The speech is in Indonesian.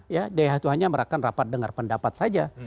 ya dia itu hanya merakan rapat dengan pendapat saja